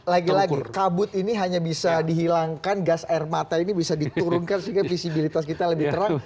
lagi lagi kabut ini hanya bisa dihilangkan gas air mata ini bisa diturunkan sehingga visibilitas kita lebih terang